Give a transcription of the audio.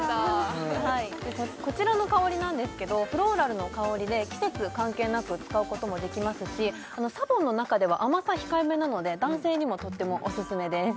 こちらの香りなんですけどフローラルの香りで季節関係なく使うこともできますしＳＡＢＯＮの中では甘さ控えめなので男性にもとってもおすすめです